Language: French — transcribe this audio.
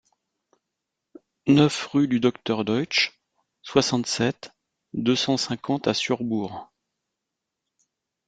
neuf rue du Docteur Deutsch, soixante-sept, deux cent cinquante à Surbourg